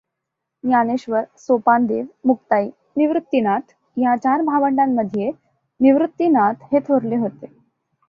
ज्ञानेश्वर, सोपानदेव मुक्ताई, निवृत्तिनाथ ह्या चार भावंडांमधे निवृत्तिनाथ हे थोरले होते.